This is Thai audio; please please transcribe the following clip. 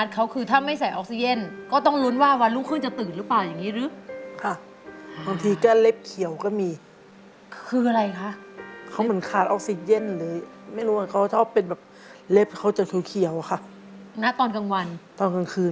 คือตอนนี้พี่อาร์ตเขาคือถ้าไม่ใส่ออกซีเ